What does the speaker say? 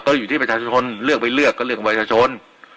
ก็อยู่ที่ประชาชนเลือกไปเลือกก็เลือกของประชาชน